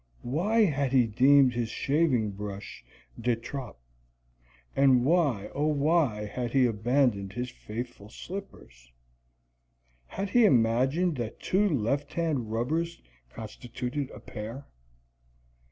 Why had he deemed his shaving brush de trop? And why, oh why, had he abandoned his faithful slippers? Had he imagined that two left hand rubbers constituted a pair?